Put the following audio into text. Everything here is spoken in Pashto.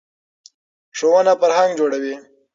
ښوونه فرهنګ جوړوي.